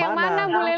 yang kelima oksi